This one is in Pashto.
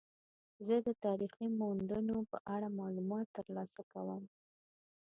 زه د تاریخي موندنو په اړه معلومات ترلاسه کوم.